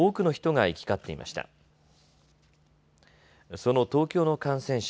その東京の感染者。